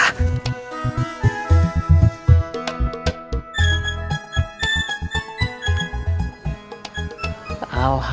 ya kita berangkat